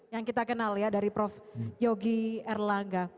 yang kita kenal ya dari prof yogi erlangga